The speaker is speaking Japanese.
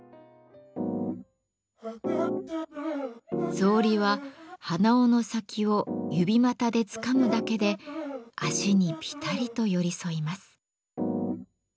草履は鼻緒の先を指股でつかむだけで足にぴたりと寄り添います。